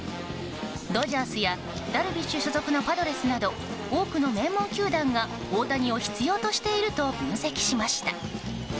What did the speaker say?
ドジャースやダルビッシュ所属のパドレスなど多くの名門球団が大谷を必要としていると分析しました。